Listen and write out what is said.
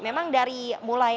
memang dari mulai awal tahun ini